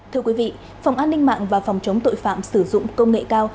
thưa quý vị phòng an ninh mạng và phòng chống tội phạm sử dụng công nghệ cao